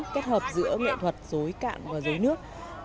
kết hợp giữa nghệ thuật rối cạn và rối nước